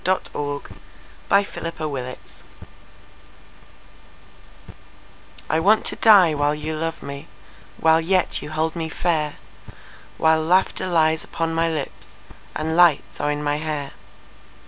I Want to Die While You Love Me I WANT to die while you love me, While yet you hold me fair, While laughter lies upon my lipsAnd lights are in my hair.